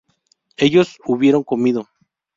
ellos hubieron comido